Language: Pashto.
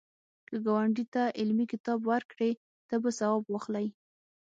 که ګاونډي ته علمي کتاب ورکړې، ته به ثواب واخلی